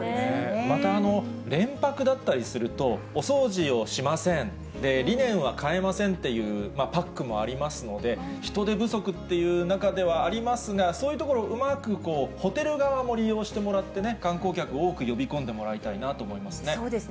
また連泊だったりすると、お掃除をしません、リネンは変えませんっていうパックもありますので、人手不足っていう中ではありますが、そういうところをうまくホテル側も利用してもらってね、観光客を多く呼び込んでもらいたいなと思いますね。